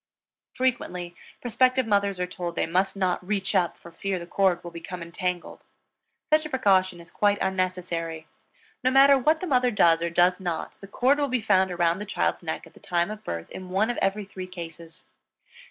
Frequently, prospective mothers are told they must not "reach up" for fear the cord will become entangled. Such a precaution is quite unnecessary. No matter what the mother does, or does not, the cord will be found around the child's neck at the time of birth in one of every three cases.